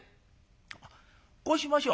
こうしましょう。